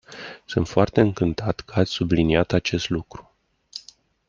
Sunt foarte încântat că ați subliniat acest lucru.